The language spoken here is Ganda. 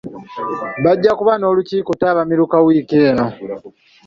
Bajja kuba n'olukiiko ttabamiruka wiiki eno.